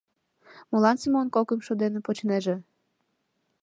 Молан Семон кокымшо гана почнеже?